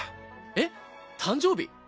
えっ誕生日？